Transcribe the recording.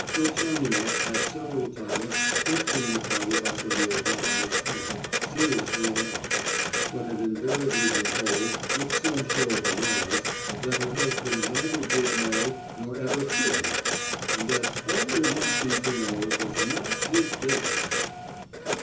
Velchaninoff had several times questioned Natalia Vasilievna on this point, seriously enough; but had invariably been told, with some show of annoyance, that her husband neither did know, nor ever could know; and that "all there might be to know was not his business!"